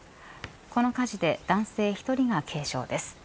この火事で男性１人が軽傷です。